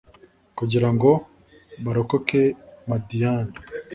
kugira ngo barokoke madiyani